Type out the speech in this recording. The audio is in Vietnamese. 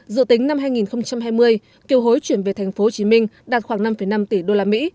dự tính năm hai nghìn hai mươi kiều hối chuyển về tp hcm đạt khoảng năm năm tỷ usd